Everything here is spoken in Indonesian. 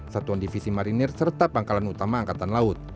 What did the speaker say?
satuan divisi marinir serta pangkalan utama angkatan laut